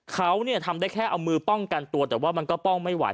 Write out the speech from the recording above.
เขาทำได้แค่เอามือป้องกันตัวแต่ว่ามันก็ป้องไม่ไหว